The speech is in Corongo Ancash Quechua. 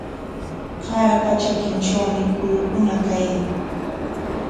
Qaarapa trakintrawmi kurukuna kan.